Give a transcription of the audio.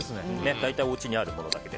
大体おうちにあるものだけで。